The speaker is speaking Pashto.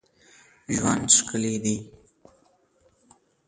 ژوند ښکلی دی